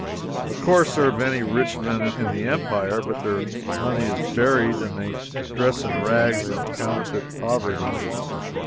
Of course, there are many rich men in the empire, but their money is buried, and they dress in rags and counterfeit poverty.